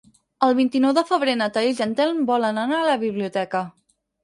El vint-i-nou de febrer na Thaís i en Telm volen anar a la biblioteca.